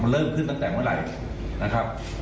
เริ่มขึ้นตั้งแต่เวิร์ดไหร่